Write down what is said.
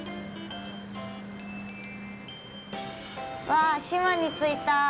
わあ、島に着いた。